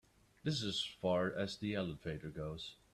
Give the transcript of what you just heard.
This is as far as the elevator goes.